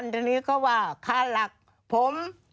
๖๐๐๐ทีนี้ก็ว่าค่าหลักผม